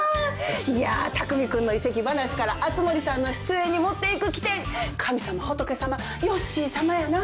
いや匠君の移籍話から熱護さんの出演に持っていく機転神様仏様ヨッシーさまやな。